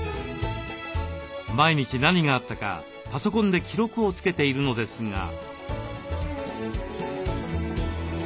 毎日何があったかパソコンで記録をつけているのですが。